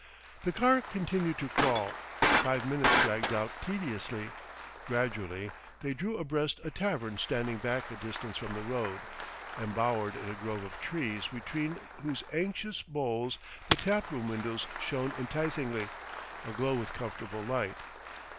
The car continued to crawl. Five minutes dragged out tediously. Gradually they, drew abreast a tavern standing back a distance from the road, embowered in a grove of trees between whose ancient boles the tap room windows shone enticingly, aglow with comfortable light.